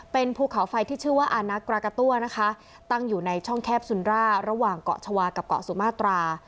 เป็นภูเขาไฟที่ชื่อว่าอานักกรากาตั้วนะคะตั้งอยู่ในช่องแคบสุนร่าระหว่างเกาะชาวากับเกาะสุมาตรา